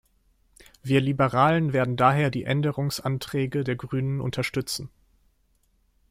Wir Liberalen werden daher die Änderungsanträge der Grünen unterstützen.